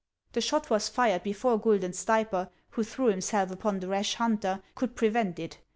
The shot was fired before Guidon Stayper, who threw himself upon the rash hunter, could prevent it.